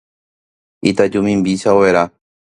Itaju mimbícha overa